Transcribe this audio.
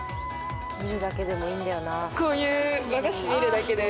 見るだけでもいいんだよなあ。